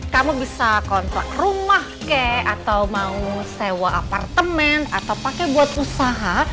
kamu bisa kontrak rumah kek atau mau sewa apartemen atau pakai buat usaha